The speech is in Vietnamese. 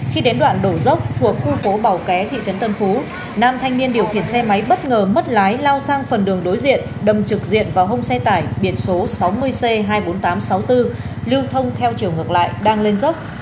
khi đến đoạn đổ dốc thuộc khu phố bảo ké thị trấn tân phú nam thanh niên điều khiển xe máy bất ngờ mất lái lao sang phần đường đối diện đâm trực diện vào hông xe tải biển số sáu mươi c hai mươi bốn nghìn tám trăm sáu mươi bốn lưu thông theo chiều ngược lại đang lên dốc